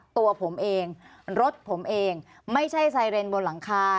ตัวผมเองรถผมเองไม่ใช่ไซเรนบนหลังคา